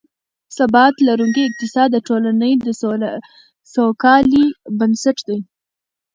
ثبات لرونکی اقتصاد، د ټولنې د سوکالۍ بنسټ دی